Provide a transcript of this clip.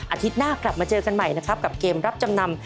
อาทิตย์หน้ากลับมาเจอกันใหม่นะครับกับเกมรับจำนำ